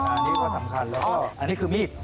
อันนี้ก็สำคัญแล้วอันนี้คือมีด